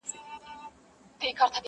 چي ستا د لبو نشه راکړي میکدې لټوم.